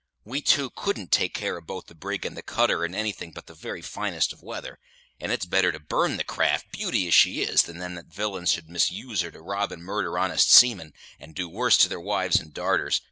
We two couldn't take care of both the brig and the cutter in anything but the very finest of weather; and it's better to burn the craft, beauty as she is, than that them villains should misuse her to rob and murder honest seamen, and do worse to their wives and darters.